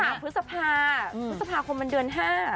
พฤษภาพฤษภาคมมันเดือน๕